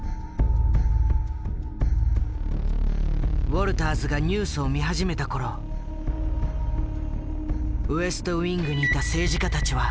ウォルターズがニュースを見始めた頃ウエストウィングにいた政治家たちは。